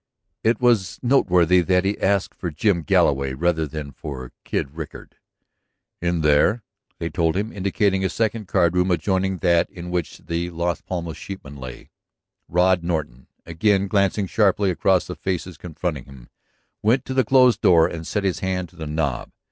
It was noteworthy that he asked for Jim Galloway rather than for Kid Rickard. "In there," they told him, indicating a second card room adjoining that in which the Las Palmas sheepman lay. Rod Norton, again glancing sharply across the faces confronting him, went to the closed door and set his hand to the knob.